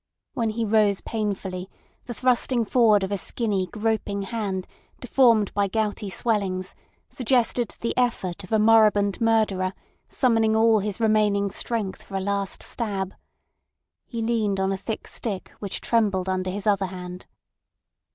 When he rose painfully the thrusting forward of a skinny groping hand deformed by gouty swellings suggested the effort of a moribund murderer summoning all his remaining strength for a last stab. He leaned on a thick stick, which trembled under his other hand.